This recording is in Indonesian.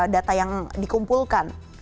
data yang dikumpulkan